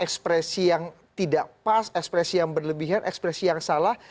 ekspresi yang tidak pas ekspresi yang berlebihan ekspresi yang salah